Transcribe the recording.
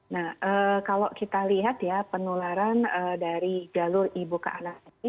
nah kalau kita lihat ya penularan dari jalur ibu ke anak ini